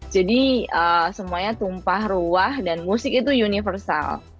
jadi semuanya tumpah ruah dan musik itu universal